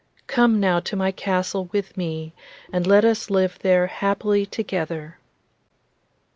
Come now to my castle with me, and let us live there happily together.